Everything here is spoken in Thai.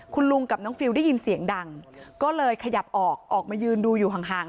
คุณลุงกับน้องฟิลได้ยินเสียงดังก็เลยขยับออกออกมายืนดูอยู่ห่าง